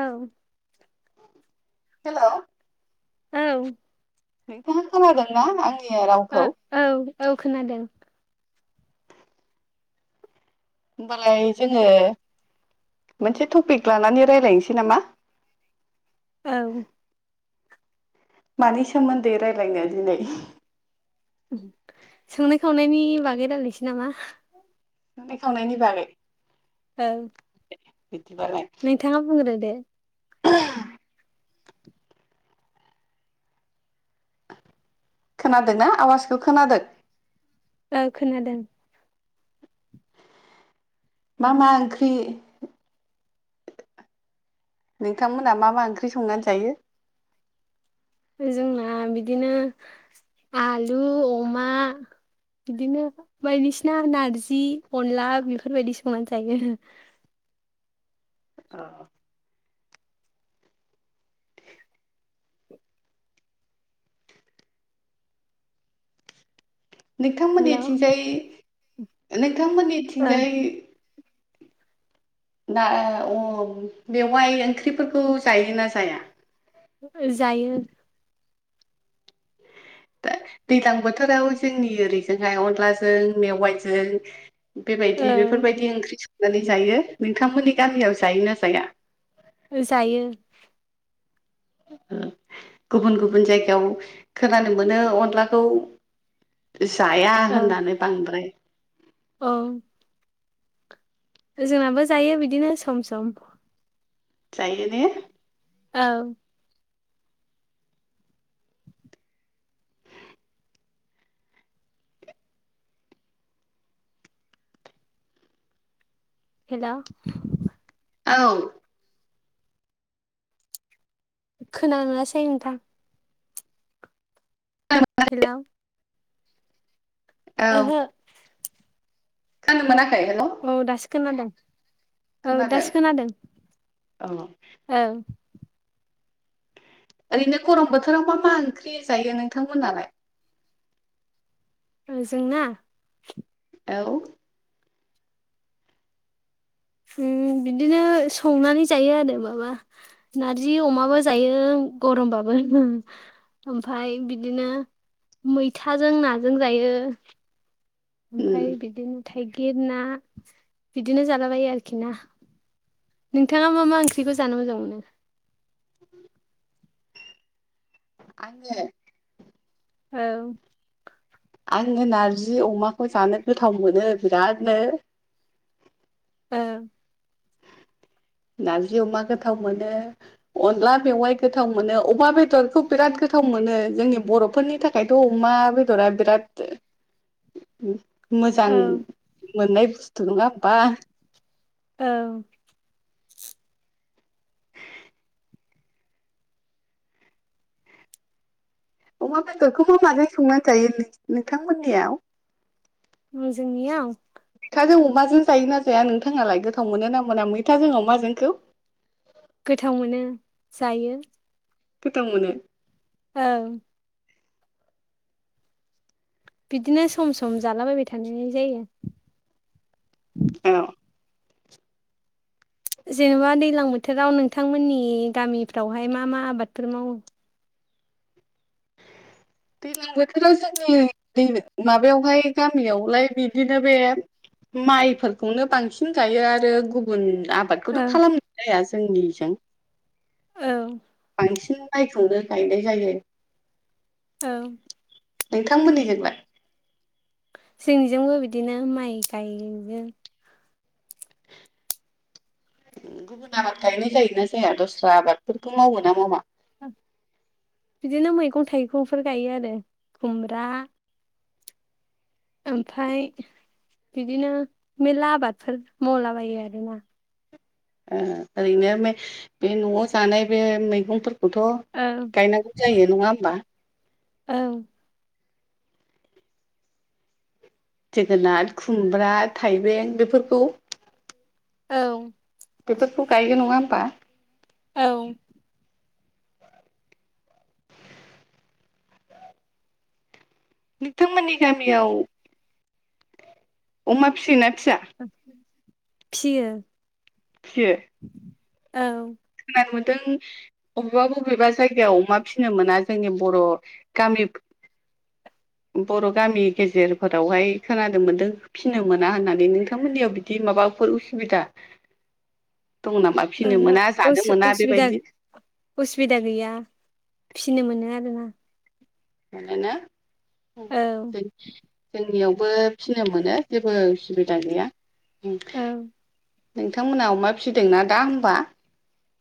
औ। हेल'। औ। नोंथाङा खोनादोंना आंनि रावखौ? औ औ खोनादों। होमबालाय जोङो मोनसे टपिक लानानै रायलायनोसै नामा? औ। मानि सोमोन्दै रायलायनो दिनै? संनाय खावनायनि बागै रालायसै नामा? संनाय खावनायनि बागै। औ। दे बिदिबालाय। नोंथाङा बुंग्रो दे। खोनादोंना आवाजखौ खोनादों? ओ खोनादों। मा मा ओंख्रि? नोंथां मोना मा मा ओंख्रि संनानै जायो? जोंना बिदिनो आलु अमा बिदिनो बायदिसिना नारजि अनला बेफोरबायदि संनानै जायो आरो। अ'। हेलौ नोंथांमोननिथिंजाय ओं नोंथांमोननिथिंजाय दा अन मेवाइ ओंख्रिफोरखौ जायो ना जाया? [unintelligible] जायो। दैज्लां बोथोराव जोंनि ओरैजोंहाय अनलाजों मेवाइजों बेबायदि ओं बेफोरबायदि ओंख्रि संनानै जायो नोंथांमोननि गामियाव जायो ना जाया? जायो। ओ गुबुन गुबुन जायगायाव खोनानो मोनो अनलाखौ जाया ओं होननानै बांद्राय औ। जोंनाबो जायो बिदिनो सम सम। जायो ने? औ। हेल' औ खोनानो मोनासै नोंथां [inaudible] हेल' औ ओहो खानो मोनाखै हेल' औ दासो खोनादों औ दासो खोनादों औ औ। ओरैनो गरम बोथोराव मा मा ओंख्रि जायो नोंथांमोनालाय? जोंना औ। उम बिदिनो संनानै जायो आरो माबा नारजि अमाबो जायो गरमबाबो उ ओमफाय बिदिनो मैथाजों नाजों जायो। उम ओमफाय बिदिनो थाइगिर ना बिदिनो जालाबायो आरोखि ना नोंथाङा मा मा ओंख्रिखौ जानो मोजां मोनो। उ आङो औ आङो नारजि अमाखौ जानो गोथाव मोनो बिरादनो औ नारजि अमा गोथाव मोनो अनला मेवाइ गोथाव मोनो अमा बेदरखौ बिराद गोथाव मोनो जोंनि बर'फोरनि था खायथ' अमा बेदरा बिराद मोजां औ मोननाय बुस्थु नङा होमबा औ अमा बेदरखौबो माजों संनानै जायो नों-नोंथांमोननियाव जोंनिङाव मैथाजों अमाजों जायोना जाया नोंथाङालाय गोथाव मोनोना मोना मैथाजों अमाजोंखौ गोथाव मोनो जायो। गोथाव मोनो औ बिदिनो सम सम जालाबायबाय थानाय जायो। औ जेनेबा दैज्लां बोथोराव नोंथांमोननि गामिफ्रावहाय मा मा आबादफोर मावो। दैलां बोथोराव जोंनि दै माबायावहाय गामियावलाय बिदिनो बे माइफोरखौनो बांसिन गायो आरो गुबुन आबादखौथ' ओं खालामनाय जाया जोंनिजों औ बांसिन मायखौनो गायनाय जायो। औ नोंथांमोननि जोंलाय जोंनिजोंबो बिदिनो माइ गायनो गुबुन आबाद गायनाय जायोना जाया दस्रा आबादफोरखौ मावो ना मावा? बिदिनो मैगं-थाइगंफोर गायो आरो खुमब्रा, ओमफाय बिदिनो मेरला आबादफोर मावलाबायो आरोना ओ ओरैनो बे न'आव जानाय बे मैगंफोरखौथ' औ गायनांगौ जायो नोंङा होमबा? औ जोगोनाद, खुमब्रा, थाइबें बेफोरखौ औ। बेफोरखौ गायगोन नङा होमबा। औ। नोंथांमोननि गामियाव अमा फियोना फिया? फियो। फियो। औ खोनानो मोन्दों अबेबा बबेबा जायगायाव अमा फिनो मोना जोंनि बर' गामि बर' गामि गेजेरफोरावहाय खोनानो मोन्दों। फिनो मोना होननानै नोंथांमोननियाव बिदि माबाफोर उसुबिदा दङो नामा? फिनो ओहो मोना जानो उसु मोना उसुबिदा बेबायदि उसुबिदा गैया फिनो मोनो आरोना। मोनोना औ। जोंनियावबो फिनो मोनो जेबो उसुबिदा गैया। औ उमनोंथांमोनहा अमा फिसिदोंना दा ओमबा?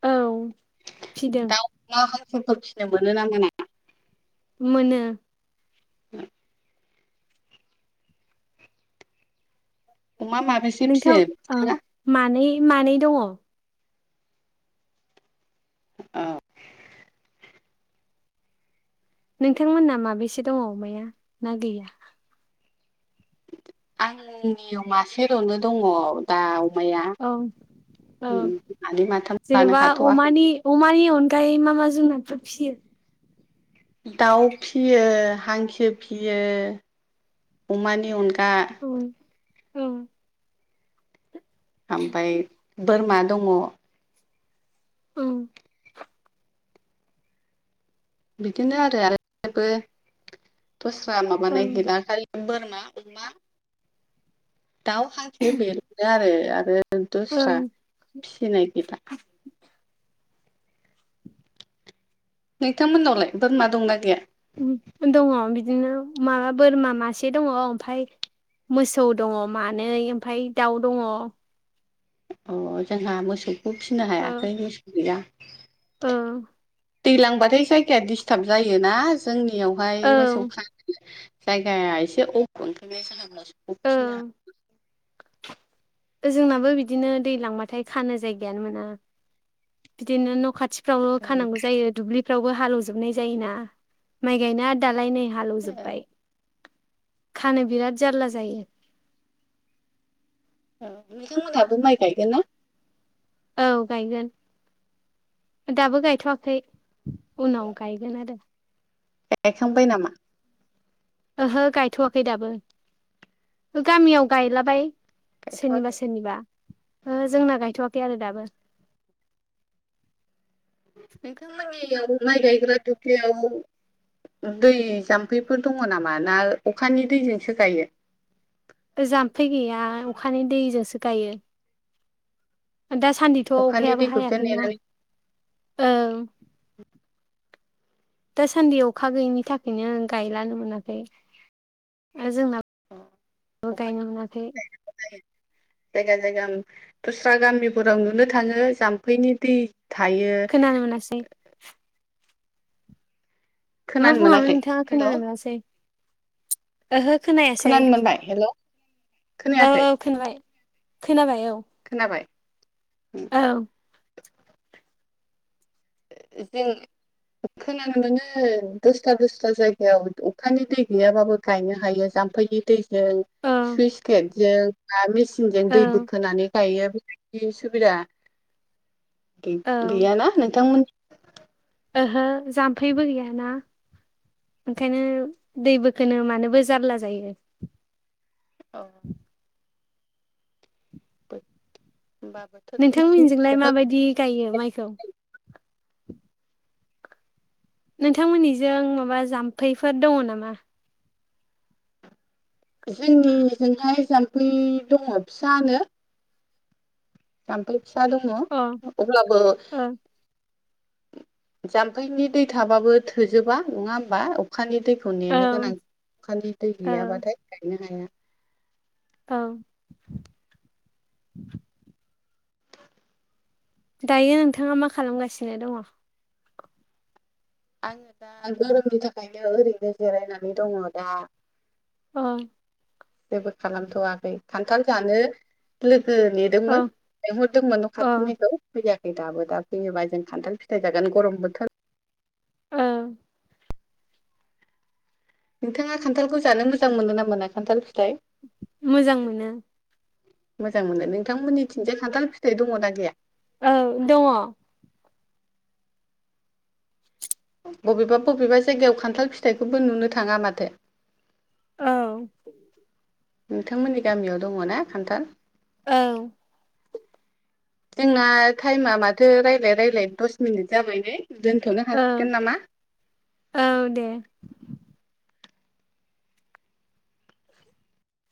औ फिदों। दाउ अमा हांसोफोर फिसिनो मोनो ना मोना? मोनो। [unintelligible] अमा माबेसे? फिसियो नोंथां औ नोंथाङा मानै मानै दङ। औ नोंथांमोनहा माबेसे दङ अमाया ना गैया। आं नियाव मासेल'नो दङ। दा अमाया औ उम औ मानै माथाम लानो जेनेबा हाथ'वाखै। अमानि अमानि अनगायै मा मा जुनादफोर फियो? दाउ फियो, हांसो फियो, अमानि अनगा। उम उम ओमफाय बोरमा दङ। औ बिदिनो आरो आरोबो दस्रा माबानाय औ गैला खालि बोरमा, अमा दाउ हांसो बेनो आरो आरो औ दस्रा फिनाय गैला। नोंथांमोननावलाय बोरमा दंना गैया? दङ बिदिनो माबा बोरमा मासे, ओमफाय मोसौ दङ मानै ओमफाय दाउ दङ। अ जोंहा मोसौखौ फिसिनो हायाखै मोसौ गैया। उम दैलांबाथाय जायगाया डिस्टाब जायोना जोंनियावहाय मोसौ खानो। जायगाया एसे अफ [unintelligible] ओं जोंनाबो बिदिनो दैलांबाथाय खानो जायगायानो मोना। बिदिनो न' खाथिफ्रावल' खानांगौ जायो। दुब्लिफ्रावबो हालेवजोबनाय जायोना माइ गायनाय दालाय नै हालौजोबबाय। खानो बिराद जारला जायो। औ नोंथांमोनहाबो माइ गायगोन ना? औ गायगोन दाबो गायथ'वाखै उनाव गायगोन आरो गायखांबाय नामा। ओहो गायथ'वाखै दाबो गामियाव गायलाबाय। सोरनिबा गायथ'वाखै सोरनिबा ओ जोंना गायथ'वाखै आरो दाबो नोंथां मोननियाव माइ गायग्रा दुब्लियाव दै जाम्फैफोर दङ नामा ना अखानि दैजोंसो गायो? जाम्फै गैया अखानि दैजोंसो गायो। दासान्दिथ' अखानि अखायाबो दैखौसो हायाखैना नेनानै औ दासान्दि अखा गैयिनि थाखायनो गायलानो मोनाखै। आरो जोंनाबो अखा गायनो मोनाखै [inaudible] जायगा जायगा दस्रा गामिफोराव नुनो थाङो जाम्फैनि दै थायो। खोनानो मोनासै। मा खोनानो बुङामोन मोनाखै नोंथाङा हेल' खोनानो मोनासै ओहो खोनायासै। हेलौ औ खोनायाखै? औ खोनाबाय खोनाबाय औ। खोनाबाय? औ जों खोनानो मोनो दसथ्रा दसथ्रा जायगायाव अखानि दै गैयाबाबो गायनो हायो जाम्फैनि दै जों औ सुइस गेटजों बा मेचिनजों औ दै बोखोनानै गायो बिदि सुबिदा औ गैयाना नोंथांमोन ओहो जाम्फैबो गैयाना। ओंखायनो दैबोखोनो मानोबो जारला जायो। औ होमबाबो नोंथांमोननिजोंलाय माबायदि गायो माइखौ? नोंथांमोननिजों माबा जाम्फैफोर दङ नामा? जोंनिजोंहाय जाम्फै दङ फिसानो। जाम्फै फिसा दङ अ ओ अब्लाबो औ जाम्फैनि दै थाबाबो थोजोबा नङा होमबा? अखानि दैखौ नेनो गोनां औ अखानि दै गैयाबाथाय गायनो हाया। औ दायो नोंथाङा मा खालामगासिनो दङ? आङो दा गोरोमनि थाखायनो ओरैनो जिरायनानै दङ दा। अ जेबो खालामथ'वाखै खान्थाल जानो लोगो ने दोंमोन औ लिंहरदोंमोन औ नखाथिनिखौ फैयाखै दाबो दा फैयोबा जों खान्थाल फिथाइ जागोन गरम बोथोर औ। नोंथाङा खान्थालखौ जानो मोजां मोनो ना मोना खान्थाल फिथाइ? मोजां मोनो। मोजां मोनो नोंथांमोननि थिंजाय खान्थाल फिथाइ दङना गैया? औ दङ। बबेबा बबेबा जायगायाव खान्थाल फिथाइखौबो नुनो थाङा माथो। औ। नोंथांमोननि गामियाव दङ ना खान्थाल? औ। जोंना टाइमा माथो रायलाय रायलायैनो दस मिनिट जाबाय नै। दोनथ'नो औ हासिगोन नामा? औ दे। [inaudible]